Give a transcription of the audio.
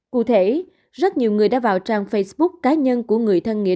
cụ thể rất nhiều người đã vào trang facebook cá nhân của người thân nghĩa